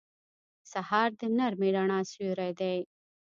سهار د نرمې رڼا سیوری دی.